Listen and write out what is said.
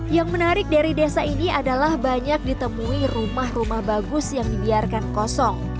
yang menarik dari desa ini adalah banyak ditemui rumah rumah bagus yang dibiarkan kosong